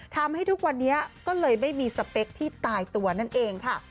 ทำให้ทุกวันนี้ก็เลยไม่มีสเปคที่ตายตัวนั่นเองค่ะ